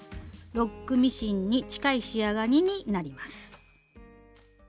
ロックミシンに近い仕上がりになります。